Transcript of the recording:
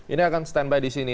ini akan standby di sini